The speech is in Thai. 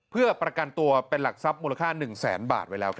เพื่อประกันตัวเป็นหลักทรัพย์พลุคภาค๑๐๐บาท